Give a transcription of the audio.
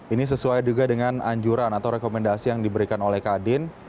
ini sesuai juga dengan anjuran atau rekomendasi yang diberikan oleh kadin